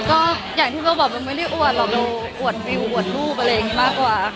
ก็อย่างที่เธอบอกมันไม่ได้อวดเราดูอวดวิวอวดรูปอะไรอย่างนี้มากกว่าค่ะ